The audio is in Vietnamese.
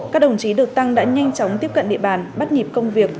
các đồng chí được tăng đã nhanh chóng tiếp cận địa bàn bắt nhịp công việc